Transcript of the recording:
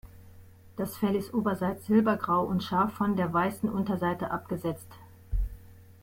Das Fell ist oberseits silbergrau und scharf von der weißen Unterseite abgesetzt.